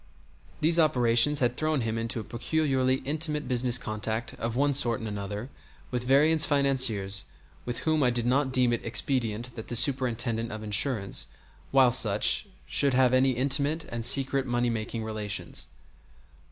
These operations had thrown him into a peculiarly intimate business contact of one sort and another with various financiers with whom I did not deem it expedient that the Superintendent of Insurance, while such, should have any intimate and secret money making relations.